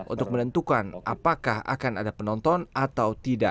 untuk menentukan apakah akan ada penonton atau tidak